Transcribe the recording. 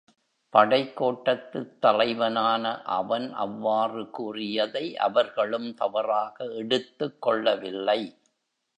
படைக்கோட்டத்துத் தலைவனான அவன் அவ்வாறு கூறியதை அவர்களும் தவறாக எடுத்துக் கொள்ளவில்லை.